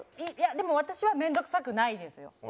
いやでも私は面倒くさくないですよ。